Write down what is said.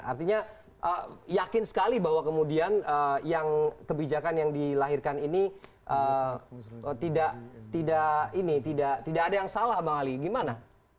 artinya yakin sekali bahwa kemudian yang kebijakan yang dilahirkan ini tidak ada yang salah bang ali gimana